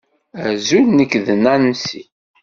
Azul, nekk d Nancy.